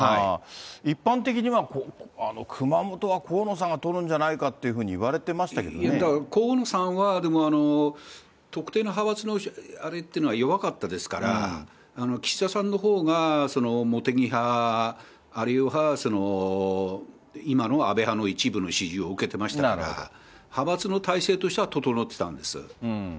一般的には、熊本は河野さんが取るんじゃないかっていうふうに言われてましただから河野さんは、でも、特定の派閥のあれっていうのは弱かったですから、岸田さんのほうが茂木は、あるいは今の安倍派の一部の支持を受けていましたから、派閥の体制としては整ってたんです。